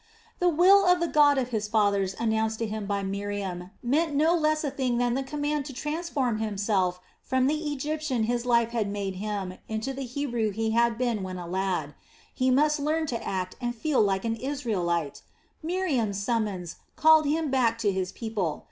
The will of the God of his fathers announced to him by Miriam meant no less a thing than the command to transform himself from the Egyptian his life had made him, into the Hebrew he had been when a lad. He must learn to act and feel like an Israelite! Miriam's summons called him back to his people.